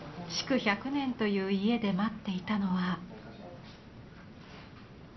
築１００年という家で待っていたのは。